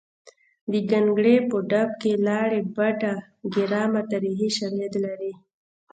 د ګانګړې په ډب کې لاړې بټه ګرامه تاریخي شالید لري